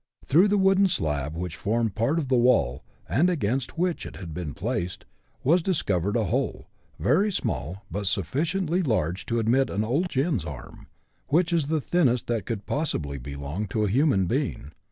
Through the wooden slab which formed part of the wall, and against which it had been placed, was discovered a hole, very small, but sufficiently large to admit an old " gin's " arm, which is the thinnest that could possibly belong to a human being.